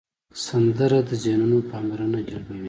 سندره د ذهنونو پاملرنه جلبوي